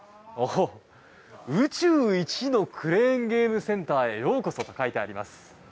宇宙一のクレーンゲームセンターへようこそと書いてあります。